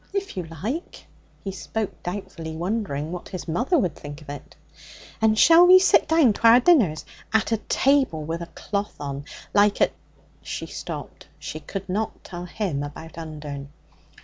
'If you like.' He spoke doubtfully, wondering what his mother would think of it. 'And shall we sit down to our dinners at a table with a cloth on like at ' She stopped. She could not tell him about Undern.